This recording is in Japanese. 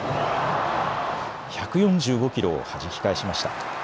１４５キロをはじき返しました。